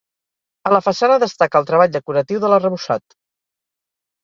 A la façana destaca el treball decoratiu de l'arrebossat.